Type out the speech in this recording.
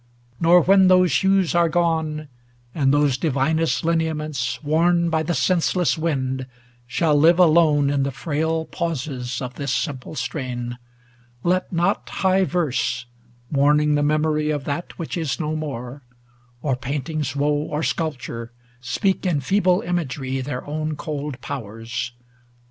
Nor, when those hues Are gone, and those divinest lineaments, Worn by the senseless wind, shall live alone In the frail pauses of this simple strain, Let not high verse, mourning the memory Of that which is no more, or painting's woe Or sculpture, speak in feeble imagery Their own cold powers.